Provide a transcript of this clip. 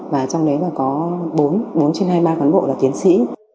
và trong đấy là có bốn bốn trên hai ba cán bộ là tiến sĩ